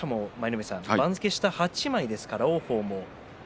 番付下８枚ですからね王鵬。